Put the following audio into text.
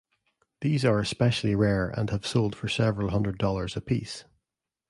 These are especially rare and have sold for several hundred dollars apiece.